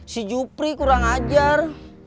si jupri kurang ajar